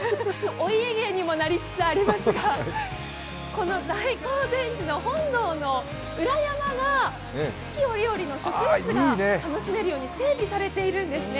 お家芸にもなりつつありますが、大興善寺の本堂の裏山が四季折々の植物が楽しめるように整備されているんですね。